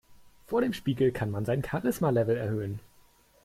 Vor dem Spiegel kann man sein Charisma-Level erhöhen.